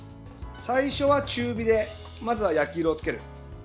最初は中火でまずは焼き色をつける。